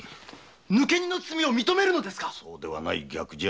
抜け荷の罪を認めるのですかその逆じゃ。